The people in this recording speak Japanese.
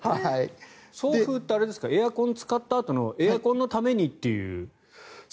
送風ってエアコンを使ったあとのエアコンのためにという？